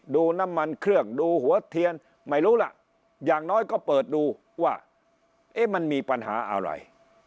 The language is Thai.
ดูน้ำมันเครื่องดูหัวเทียนไม่รู้ล่ะอย่างน้อยก็เปิดดูว่าเอ๊ะมันมีปัญหาอะไร